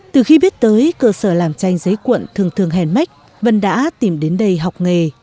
từ khi biết tới cơ sở làm tranh giấy cuộn thường thường hèn mách vân đã tìm đến đây học nghề